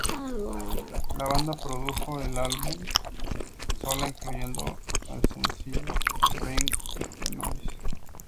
La banda produjo el álbum sola, incluyendo al sencillo "Bring the Noise".